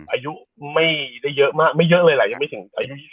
อายุไม่ได้เยอะมากไม่เยอะเลยแหละยังไม่ถึงอายุ